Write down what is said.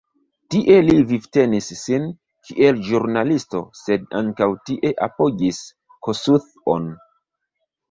Tie li vivtenis sin, kiel ĵurnalisto, sed ankaŭ tie apogis Kossuth-on.